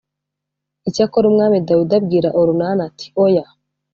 icyakora umwami dawidi abwira orunani ati oya